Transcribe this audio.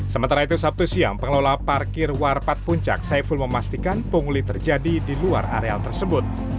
sementara itu sabtu siang pengelola parkir warpat puncak saiful memastikan pungli terjadi di luar areal tersebut